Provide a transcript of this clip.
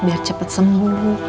biar cepat sembuh